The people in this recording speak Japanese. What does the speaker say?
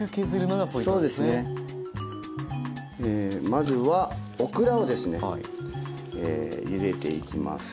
まずはオクラをですねゆでていきます。